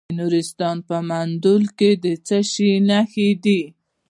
د نورستان په مندول کې د څه شي نښې دي؟